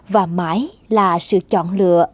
và mãi là sự chọn lựa